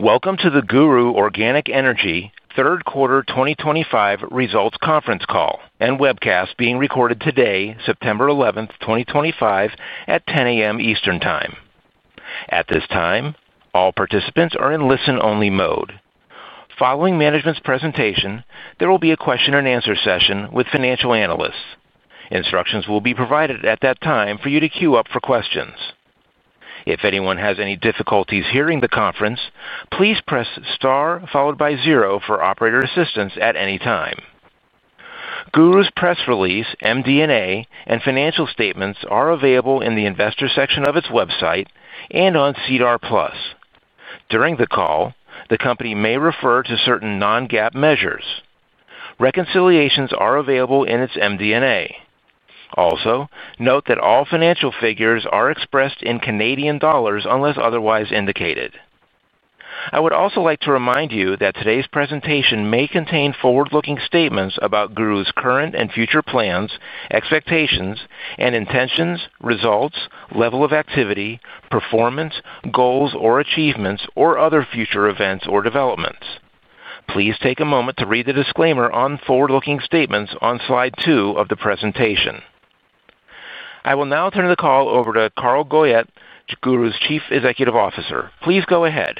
Welcome to the GURU Organic Energy Third Quarter 2025 Results Conference Call and Webcast being recorded today, September 11, 2025, at 10:00 A.M. Eastern Time. At this time, all participants are in listen-only mode. Following management's presentation, there will be a question-and-answer session with financial analysts. Instructions will be provided at that time for you to queue up for questions. If anyone has any difficulties hearing the conference, please press star followed by zero for operator assistance at any time. GURU's press release, MD&A, and financial statements are available in the Investor section of its website and on CDAR Plus. During the call, the company may refer to certain non-GAAP measures. Reconciliations are available in its MD&A. Also, note that all financial figures are expressed in Canadian dollars unless otherwise indicated. I would also like to remind you that today's presentation may contain forward-looking statements about GURU's current and future plans, expectations, and intentions, results, level of activity, performance, goals or achievements, or other future events or developments. Please take a moment to read the disclaimer on forward-looking statements on slide 2 of the presentation. I will now turn the call over to Carl Goyette, GURU's Chief Executive Officer. Please go ahead.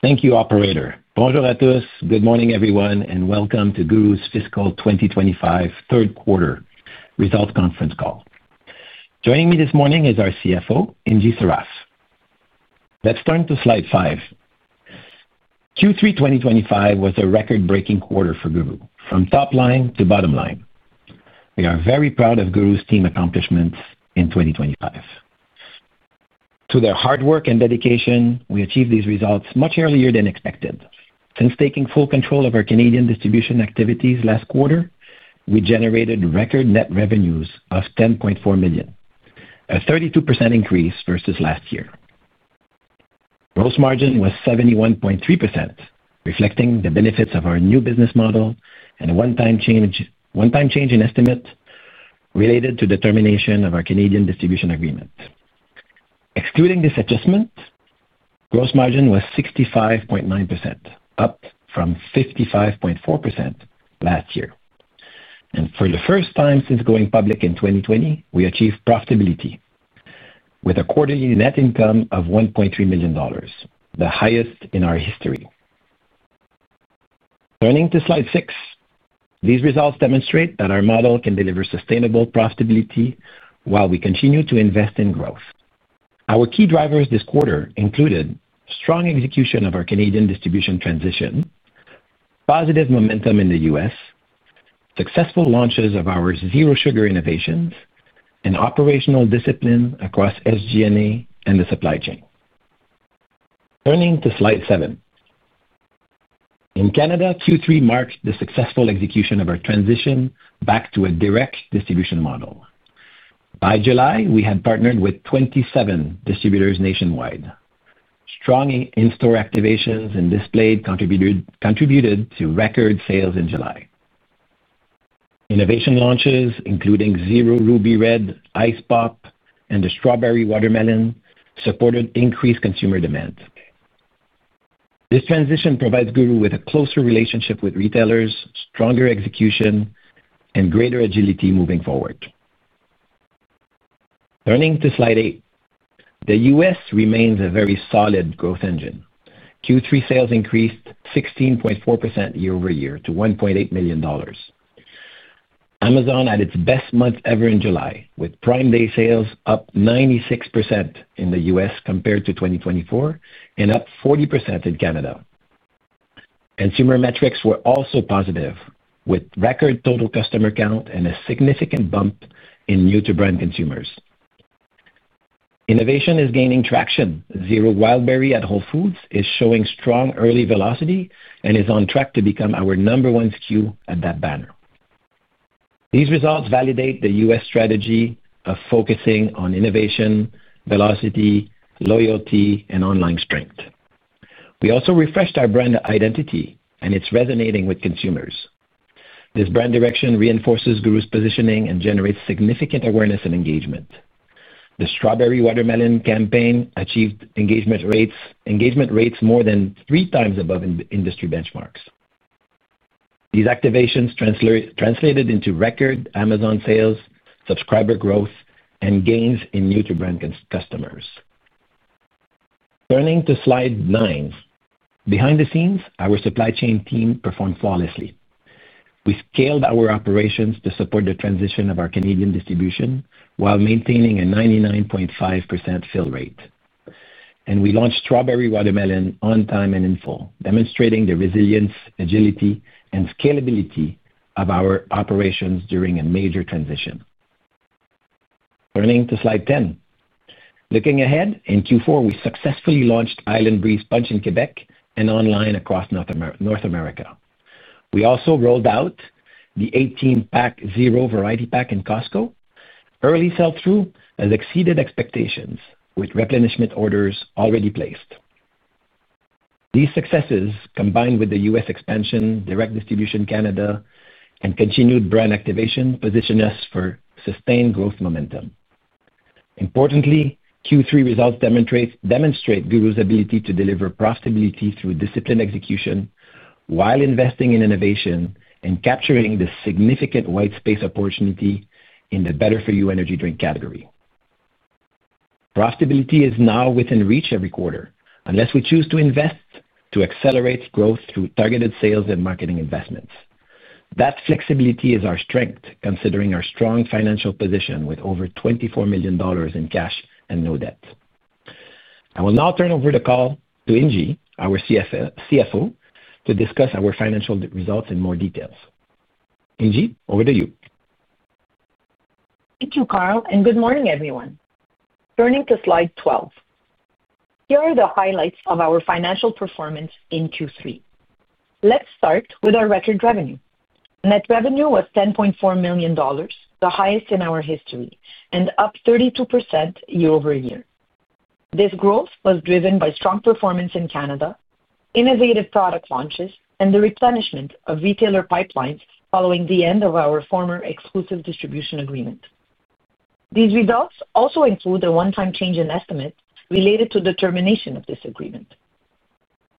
Thank you, Operator. Bonjour à tous, good morning everyone, and welcome to GURU Organic Energy's fiscal 2025 third quarter results conference call. Joining me this morning is our CFO, Angie Saraf. Let's turn to slide 5. Q3 2025 was a record-breaking quarter for GURU Organic Energy, from top line to bottom line. We are very proud of GURU Organic Energy's team accomplishments in 2025. Through their hard work and dedication, we achieved these results much earlier than expected. Since taking full control of our Canadian distribution activities last quarter, we generated record net revenues of $10.4 million, a 32% increase versus last year. Gross margin was 71.3%, reflecting the benefits of our new business model and a one-time change in estimate related to the termination of our Canadian distribution agreement. Excluding this adjustment, gross margin was 65.9%, up from 55.4% last year. For the first time since going public in 2020, we achieved profitability with a quarterly net income of $1.3 million, the highest in our history. Turning to slide 6, these results demonstrate that our model can deliver sustainable profitability while we continue to invest in growth. Our key drivers this quarter included strong execution of our Canadian distribution transition, positive momentum in the U.S., successful launches of our zero-sugar innovations, and operational discipline across SG&A and the supply chain. Turning to slide 7. In Canada, Q3 marked the successful execution of our transition back to a direct distribution model. By July, we had partnered with 27 distributors nationwide. Strong in-store activations and displays contributed to record sales in July. Innovation launches, including Zero Ruby Red, Ice Pop, and Strawberry Watermelon, supported increased consumer demand. This transition provides GURU Organic Energy with a closer relationship with retailers, stronger execution, and greater agility moving forward. Turning to slide 8, the U.S. remains a very solid growth engine. Q3 sales increased 16.4% year over year to $1.8 million. Amazon had its best month ever in July, with Prime Day sales up 96% in the U.S. compared to 2024 and up 40% in Canada. Consumer metrics were also positive, with record total customer count and a significant bump in new-to-brand consumers. Innovation is gaining traction. Zero Wild Berry at Whole Foods is showing strong early velocity and is on track to become our number one SKU at that banner. These results validate the U.S. strategy of focusing on innovation, velocity, loyalty, and online strength. We also refreshed our brand identity, and it's resonating with consumers. This brand direction reinforces GURU's positioning and generates significant awareness and engagement. The Strawberry Watermelon campaign achieved engagement rates more than three times above industry benchmarks. These activations translated into record Amazon sales, subscriber growth, and gains in new-to-brand customers. Turning to slide 9, behind the scenes, our supply chain team performed flawlessly. We scaled our operations to support the transition of our Canadian distribution while maintaining a 99.5% fill rate. We launched Strawberry Watermelon on time and in full, demonstrating the resilience, agility, and scalability of our operations during a major transition. Turning to slide 10. Looking ahead, in Q4, we successfully launched Island Breeze Punch in Quebec and online across North America. We also rolled out the 18-pack zero variety pack in Costco. Early sell-through has exceeded expectations with replenishment orders already placed. These successes, combined with the U.S. expansion, direct distribution in Canada, and continued brand activation, position us for sustained growth momentum. Importantly, Q3 results demonstrate GURU's ability to deliver profitability through disciplined execution while investing in innovation and capturing the significant white space opportunity in the Better for You energy drink category. Profitability is now within reach every quarter, unless we choose to invest to accelerate growth through targeted sales and marketing investments. That flexibility is our strength, considering our strong financial position with over $24 million in cash and no debt. I will now turn over the call to Angie, our CFO, to discuss our financial results in more details. Angie, over to you. Thank you, Carl, and good morning, everyone. Turning to slide 12. Here are the highlights of our financial performance in Q3. Let's start with our record revenue. Net revenue was $10.4 million, the highest in our history, and up 32% year over year. This growth was driven by strong performance in Canada, innovative product launches, and the replenishment of retailer pipelines following the end of our former exclusive distribution agreement. These results also include the one-time change in estimate related to the termination of this agreement.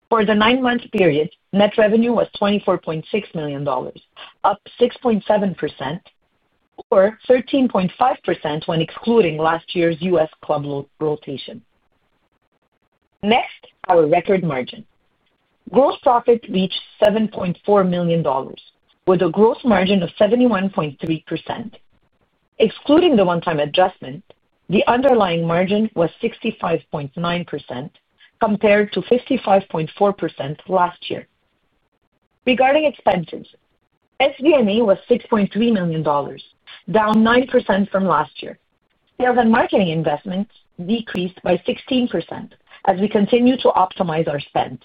For the nine-month period, net revenue was $24.6 million, up 6.7% or 13.5% when excluding last year's U.S. club rotation. Next, our record margin. Gross profit reached $7.4 million with a gross margin of 71.3%. Excluding the one-time adjustment, the underlying margin was 65.9% compared to 55.4% last year. Regarding expenses, SG&A was $6.3 million, down 9% from last year. Sales and marketing investments decreased by 16% as we continue to optimize our spend.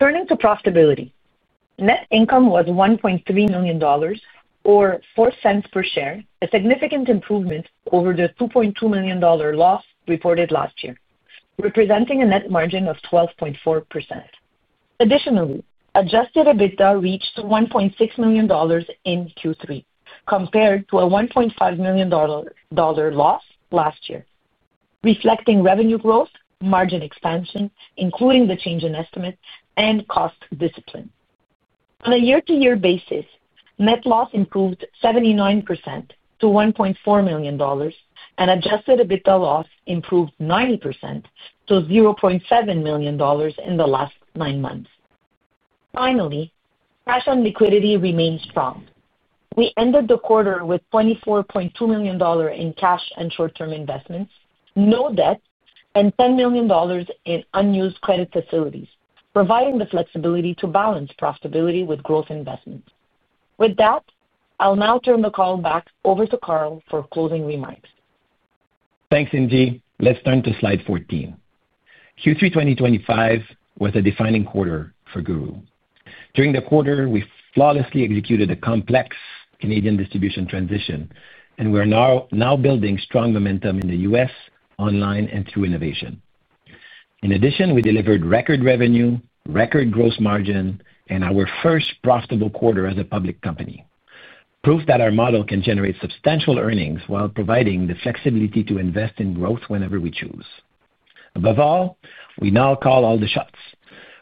Turning to profitability, net income was $1.3 million or $0.04 per share, a significant improvement over the $2.2 million loss reported last year, representing a net margin of 12.4%. Additionally, adjusted EBITDA reached $1.6 million in Q3, compared to a $1.5 million loss last year, reflecting revenue growth, margin expansion, including the change in estimates and cost discipline. On a year-to-year basis, net loss improved 79% to $1.4 million, and adjusted EBITDA loss improved 90% to $0.7 million in the last nine months. Finally, cash on liquidity remained strong. We ended the quarter with $24.2 million in cash and short-term investments, no debt, and $10 million in unused credit facilities, providing the flexibility to balance profitability with growth investments. With that, I'll now turn the call back over to Carl for closing remarks. Thanks, Angie. Let's turn to slide 14. Q3 2025 was a defining quarter for GURU Organic Energy. During the quarter, we flawlessly executed a complex Canadian distribution transition, and we are now building strong momentum in the U.S., online, and through innovation. In addition, we delivered record revenue, record gross margin, and our first profitable quarter as a public company. Proof that our model can generate substantial earnings while providing the flexibility to invest in growth whenever we choose. Above all, we now call all the shots.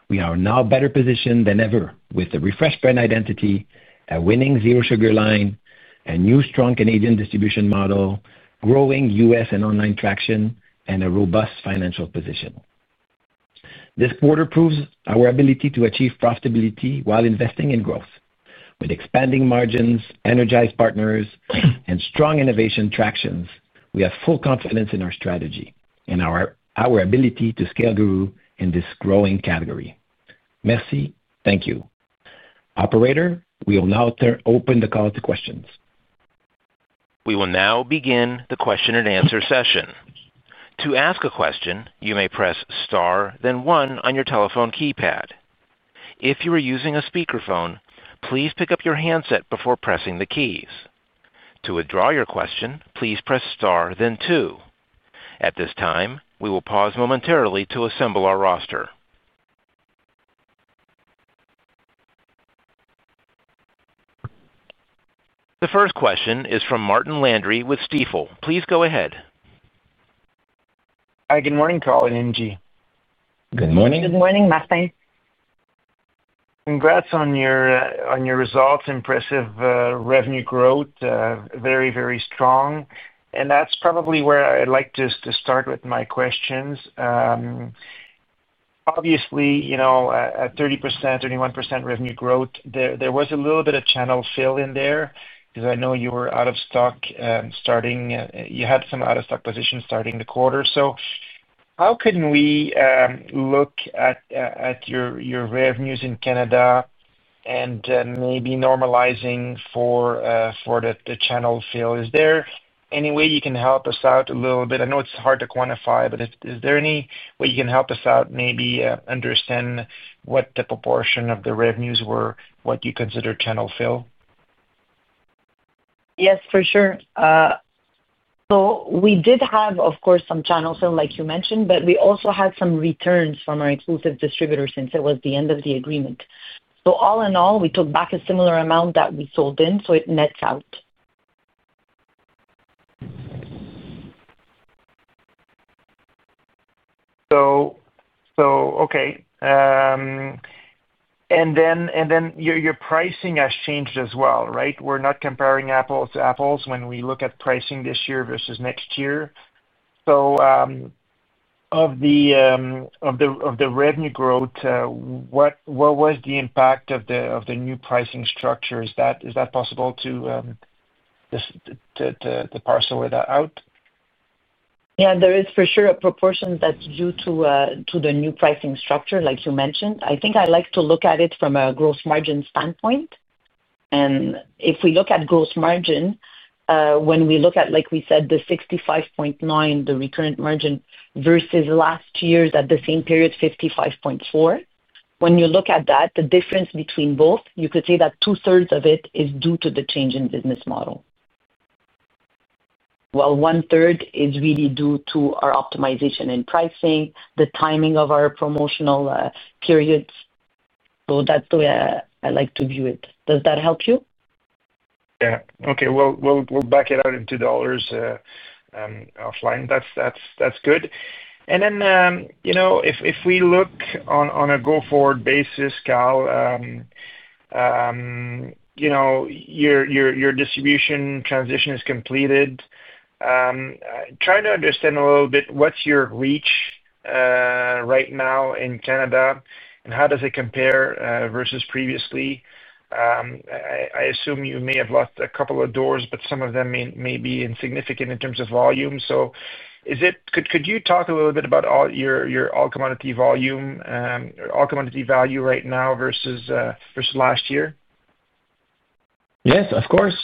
We are now better positioned than ever with a refreshed brand identity, a winning zero-sugar line, a new strong Canadian distribution model, growing U.S. and online traction, and a robust financial position. This quarter proves our ability to achieve profitability while investing in growth. With expanding margins, energized partners, and strong innovation tractions, we have full confidence in our strategy and our ability to scale GURU Organic Energy in this growing category. Merci, thank you. Operator, we will now open the call to questions. We will now begin the question-and-answer session. To ask a question, you may press star, then one on your telephone keypad. If you are using a speakerphone, please pick up your handset before pressing the keys. To withdraw your question, please press star, then two. At this time, we will pause momentarily to assemble our roster. The first question is from Martin Landry with Stifel. Please go ahead. Hi, good morning, Carl and Angie. Good morning. Good morning, Martin. Congrats on your results, impressive revenue growth, very, very strong. That's probably where I'd like to start with my questions. Obviously, you know, at 30%, 31% revenue growth, there was a little bit of channel fill in there because I know you were out of stock starting. You had some out-of-stock positions starting the quarter. How can we look at your revenues in Canada and maybe normalizing for the channel fill? Is there any way you can help us out a little bit? I know it's hard to quantify, but is there any way you can help us out maybe understand what the proportion of the revenues were, what you consider channel fill? Yes, for sure. We did have, of course, some channel fill, like you mentioned, but we also had some returns from our exclusive distributors since it was the end of the agreement. All in all, we took back a similar amount that we sold in, so it nets out. Okay, your pricing has changed as well, right? We're not comparing apples to apples when we look at pricing this year versus next year. Of the revenue growth, what was the impact of the new pricing structure? Is that possible to parcel that out? Yeah, there is for sure a proportion that's due to the new pricing structure, like you mentioned. I think I'd like to look at it from a gross margin standpoint. If we look at gross margin, when we look at, like we said, the 65.9%, the recurrent margin versus last year's at the same period, 55.4%, when you look at that, the difference between both, you could say that two-thirds of it is due to the change in business model. One-third is really due to our optimization in pricing, the timing of our promotional periods. That's the way I like to view it. Does that help you? Yeah. Okay. We'll back it out into dollars offline. That's good. If we look on a go-forward basis, Carl, your distribution transition is completed. Trying to understand a little bit, what's your reach right now in Canada and how does it compare versus previously? I assume you may have locked a couple of doors, but some of them may be insignificant in terms of volume. Could you talk a little bit about all your all-commodity volume, all-commodity value right now versus last year? Yes, of course.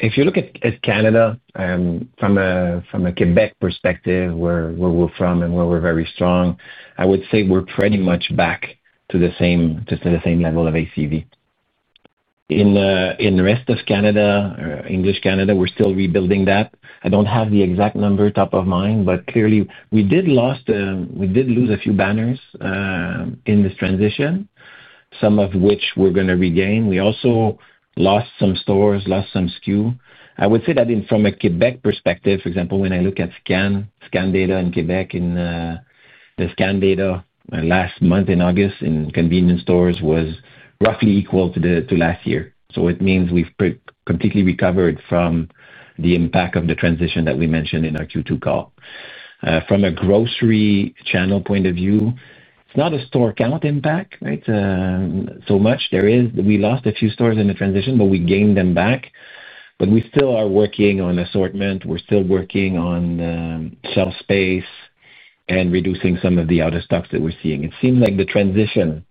If you look at Canada from a Quebec perspective, where we're from and where we're very strong, I would say we're pretty much back to the same, just to the same level of ACV. In the rest of Canada, English Canada, we're still rebuilding that. I don't have the exact number top of mind, but clearly, we did lose a few banners in this transition, some of which we're going to regain. We also lost some stores, lost some SKU. I would say that from a Quebec perspective, for example, when I look at scan data in Quebec, the scan data last month in August in convenience stores was roughly equal to last year. It means we've completely recovered from the impact of the transition that we mentioned in our Q2 call. From a grocery channel point of view, it's not a store count impact, right? There is, we lost a few stores in the transition, but we gained them back. We still are working on assortment. We're still working on shelf space and reducing some of the out-of-stocks that we're seeing. It seems like the transition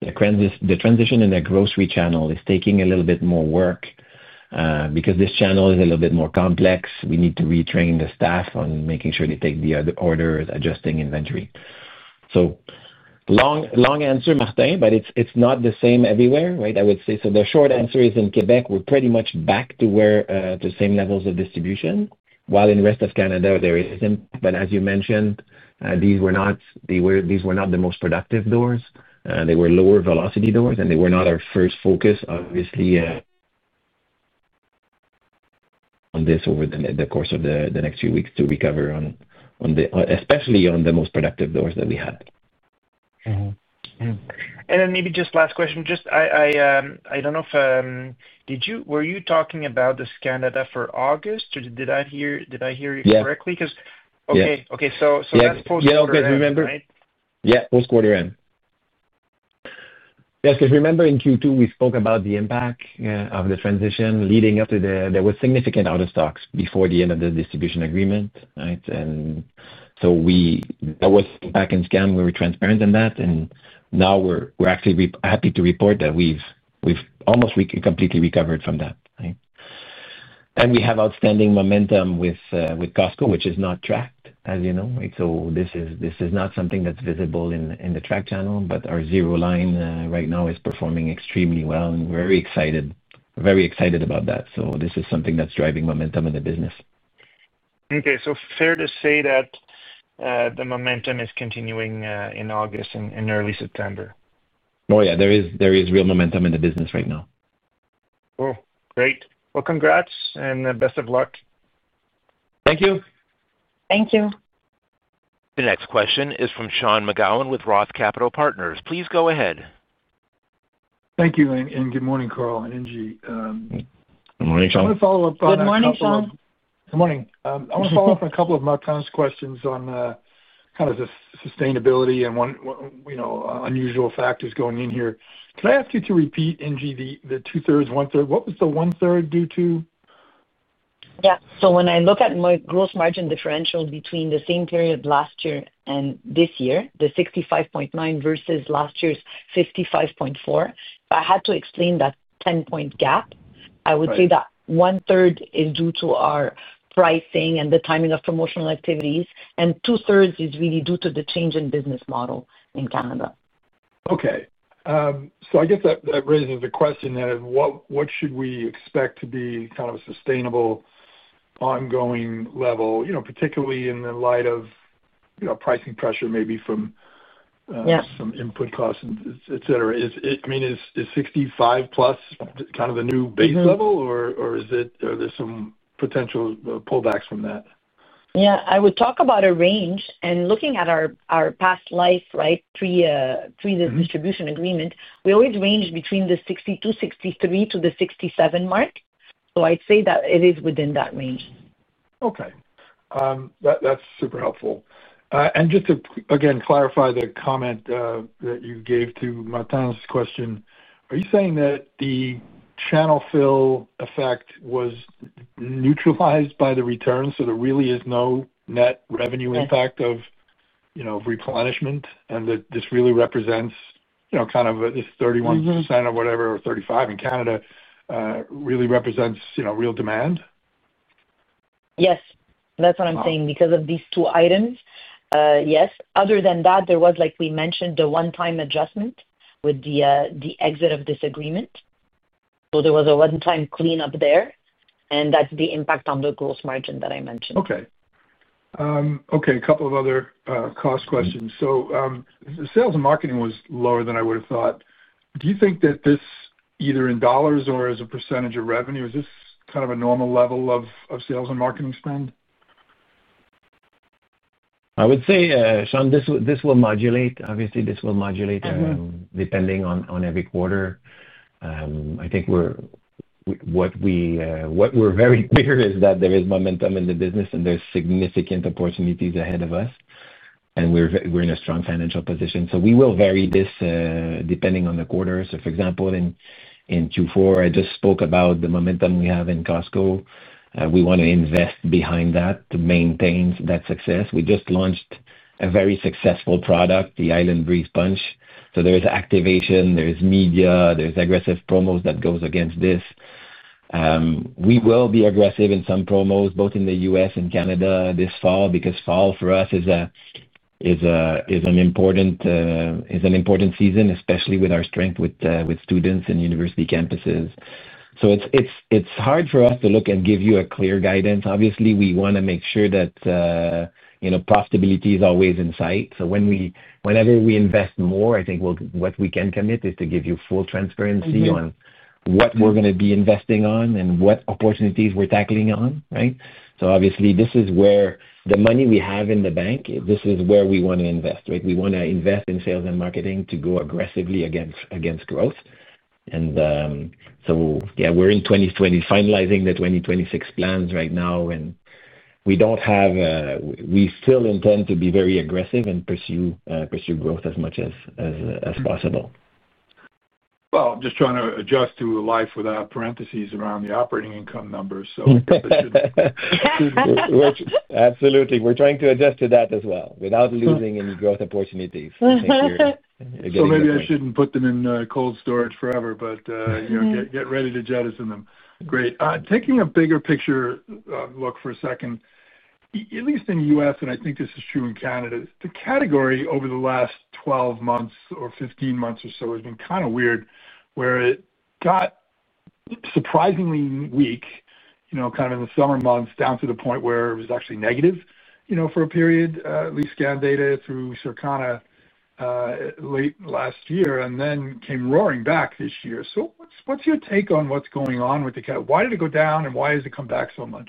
in the grocery channel is taking a little bit more work because this channel is a little bit more complex. We need to retrain the staff on making sure they take the orders, adjusting inventory. Long answer, Martin, but it's not the same everywhere, right? I would say. The short answer is in Quebec, we're pretty much back to where the same levels of distribution, while in the rest of Canada, there isn't. As you mentioned, these were not the most productive doors. They were lower velocity doors, and they were not our first focus, obviously, on this over the course of the next few weeks to recover on, especially on the most productive doors that we had. Maybe just last question. I don't know if, did you, were you talking about this Canada for August? Did I hear you correctly? Yeah. Okay. So post-quarter end, right? Yeah, post-quarter end. Yes, because remember in Q2, we spoke about the impact of the transition leading up to the, there were significant out-of-stocks before the end of the distribution agreement, right? We both, Pack and Scan, we were transparent in that. We are actually happy to report that we've almost completely recovered from that, right? We have outstanding momentum with Costco, which is not tracked, as you know, right? This is not something that's visible in the track channel, but our zero line right now is performing extremely well, and we're very excited, very excited about that. This is something that's driving momentum in the business. Okay. Fair to say that the momentum is continuing in August and early September. Oh yeah, there is real momentum in the business right now. Great. Congrats and best of luck. Thank you. Thank you. The next question is from Sean McGowan with ROTH Capital Partners. Please go ahead. Thank you, and good morning, Carl and Angie. Good morning, Sean. I want to follow up on. Good morning, Sean. Good morning. I want to follow up on a couple of Mark Towne's questions on the sustainability and one, you know, unusual factors going in here. Could I ask you to repeat, Angie, the two-thirds, one-third? What was the one-third due to? Yeah. When I look at my gross margin differential between the same period last year and this year, the 65.9% versus last year's 55.4%, if I had to explain that 10-point gap, I would say that one-third is due to our pricing and the timing of promotional activities, and two-thirds is really due to the change in business model in Canada. Okay, I guess that raises the question of what should we expect to be kind of a sustainable ongoing level, particularly in the light of pricing pressure maybe from some input costs, etc. I mean, is 65% plus kind of the new base level, or are there some potential pullbacks from that? I would talk about a range. Looking at our past life, right, pre the distribution agreement, we always ranged between the 62% to 63% to the 67% mark. I'd say that it is within that range. Okay. That's super helpful. Just to clarify the comment that you gave to Mark Towne's question, are you saying that the channel fill effect was neutralized by the returns? There really is no net revenue impact of, you know, replenishment, and that this really represents, you know, kind of this 31% or 35% in Canada, really represents, you know, real demand? Yes, that's what I'm saying. Because of these two items, yes. Other than that, like we mentioned, there was the one-time adjustment with the exit of this agreement. There was a one-time cleanup there, and that's the impact on the gross margin that I mentioned. Okay. A couple of other cost questions. The sales and marketing was lower than I would have thought. Do you think that this either in dollars or as a percentage of revenue, is this kind of a normal level of sales and marketing spend? I would say, Sean, this will modulate. Obviously, this will modulate depending on every quarter. I think what we're very clear is that there is momentum in the business, and there's significant opportunities ahead of us. We're in a strong financial position. We will vary this depending on the quarter. For example, in Q4, I just spoke about the momentum we have in Costco. We want to invest behind that to maintain that success. We just launched a very successful product, the Island Breeze Punch. There is activation. There is media. There's aggressive promos that go against this. We will be aggressive in some promos, both in the U.S. and Canada this fall because fall for us is an important season, especially with our strength with students and university campuses. It's hard for us to look and give you a clear guidance. Obviously, we want to make sure that profitability is always in sight. Whenever we invest more, I think what we can commit is to give you full transparency on what we're going to be investing on and what opportunities we're tackling on, right? Obviously, this is where the money we have in the bank, this is where we want to invest, right? We want to invest in sales and marketing to go aggressively against growth. Yeah, we're in 2020 finalizing the 2026 plans right now. We still intend to be very aggressive and pursue growth as much as possible. I'm just trying to adjust to life without parentheses around the operating income numbers. Absolutely. We're trying to adjust to that as well without losing any growth opportunities. Maybe I shouldn't put them in cold storage forever, but you know, get ready to jettison them. Great. Taking a bigger picture look for a second, at least in the U.S., and I think this is true in Canada, the category over the last 12 months or 15 months or so has been kind of weird, where it got surprisingly weak, you know, kind of in the summer months, down to the point where it was actually negative, you know, for a period, at least scan data through Circana late last year, and then came roaring back this year. What's your take on what's going on with the category? Why did it go down and why has it come back so much?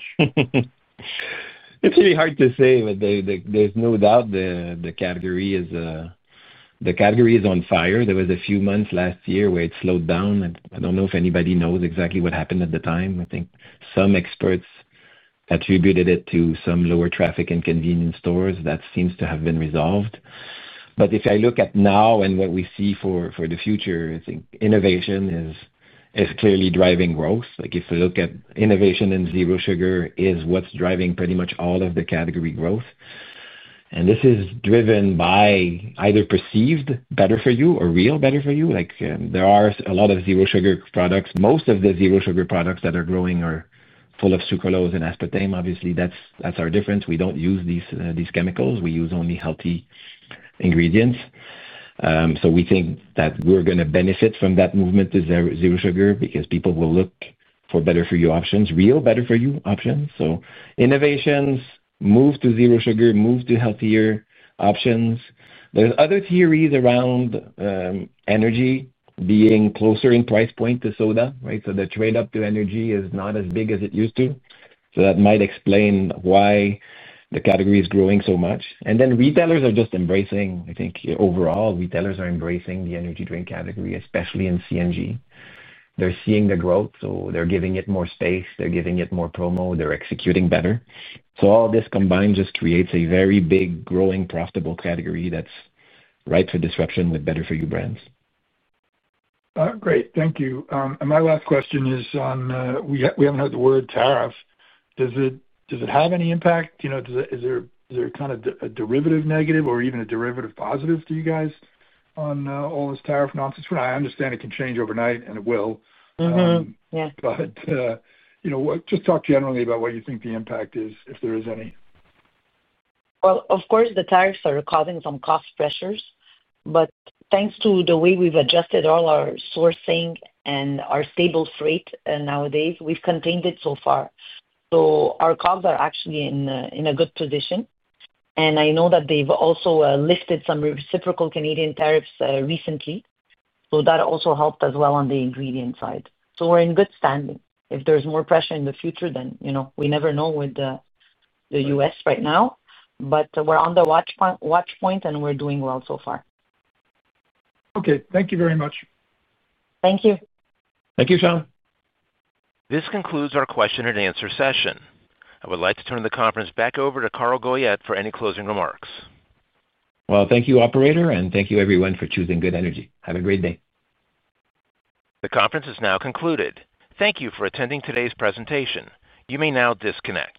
It's really hard to say, but there's no doubt the category is on fire. There were a few months last year where it slowed down. I don't know if anybody knows exactly what happened at the time. I think some experts attributed it to some lower traffic in convenience stores. That seems to have been resolved. If I look at now and what we see for the future, I think innovation is clearly driving growth. If you look at innovation and zero sugar, it's what's driving pretty much all of the category growth. This is driven by either perceived better-for-you or real better-for-you. There are a lot of zero sugar products. Most of the zero sugar products that are growing are full of sucralose and aspartame. Obviously, that's our difference. We don't use these chemicals. We use only healthy ingredients. We think that we're going to benefit from that movement to zero sugar because people will look for better-for-you options, real better-for-you options. Innovations, move to zero sugar, move to healthier options. There are other theories around energy being closer in price point to soda, right? The trade-off to energy is not as big as it used to be. That might explain why the category is growing so much. Retailers are just embracing, I think overall, retailers are embracing the energy drink category, especially in CNG. They're seeing the growth. They're giving it more space. They're giving it more promo. They're executing better. All this combined just creates a very big, growing, profitable category that's ripe for disruption with better-for-you brands. Great. Thank you. My last question is on, we haven't heard the word tariff. Does it have any impact? You know, is there kind of a derivative negative or even a derivative positive to you guys on all this tariff nonsense? I understand it can change overnight, and it will. But you know, just talk generally about what you think the impact is, if there is any. The tariffs are causing some cost pressures. Thanks to the way we've adjusted all our sourcing and our stable freight nowadays, we've contained it so far. Our COGS are actually in a good position. I know that they've also lifted some reciprocal Canadian tariffs recently. That also helped as well on the ingredient side. We're in good standing. If there's more pressure in the future, you know we never know with the U.S. right now. We're on the watch point, and we're doing well so far. Okay, thank you very much. Thank you. Thank you, Sean. This concludes our question-and-answer session. I would like to turn the conference back over to Carl Goyette for any closing remarks. Thank you, Operator, and thank you, everyone, for choosing Good Energy. Have a great day. The conference is now concluded. Thank you for attending today's presentation. You may now disconnect.